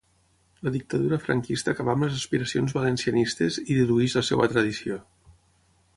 La dictadura franquista acabà amb les aspiracions valencianistes, i dilueix la seua tradició.